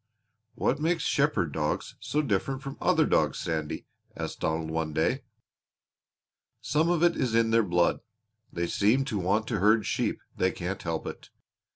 "What makes shepherd dogs so different from other dogs, Sandy?" asked Donald one day. "Some of it is in their blood. They seem to want to herd sheep they can't help it.